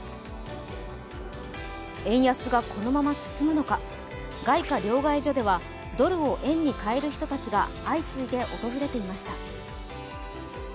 円安がこのまま進むのか外貨両替所ではドルを円に替える人たちが相次いで訪れていました。